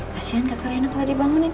kasian kakak rena kalo dibangunin